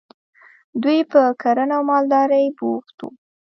دوی په کرنه او مالدارۍ بوخت وو.